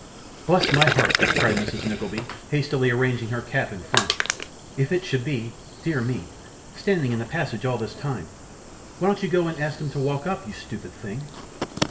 'Bless my heart!' cried Mrs. Nickleby, hastily arranging her cap and front, 'if it should be dear me, standing in the passage all this time why don't you go and ask them to walk up, you stupid thing?